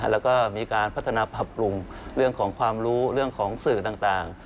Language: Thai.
แล้วก็มีการพัฒนาปรับปรุงเรื่องของความรู้เรื่องของสื่อต่าง